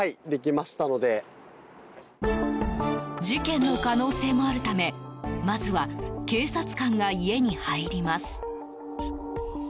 事件の可能性もあるためまずは警察官が家に入ります。